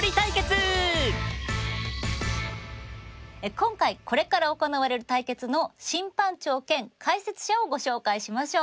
今回これから行われる対決の審判長兼解説者をご紹介しましょう。